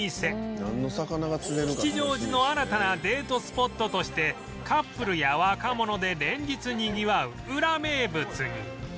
吉祥寺の新たなデートスポットとしてカップルや若者で連日にぎわうウラ名物に